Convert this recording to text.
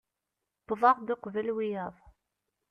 Wwḍeɣ-d uqbel wiyaḍ.